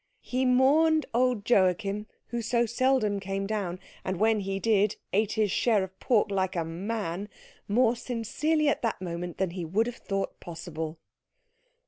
He mourned old Joachim, who so seldom came down, and when he did ate his share of pork like a man, more sincerely at that moment than he would have thought possible.